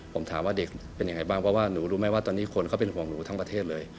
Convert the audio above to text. ผมถามว่าเด็กเป็นยังไงบ้างเพราะว่าหนูรู้ไหมว่าตอนนี้คนเขาเป็นห่วงหนูทั้งประเทศเลย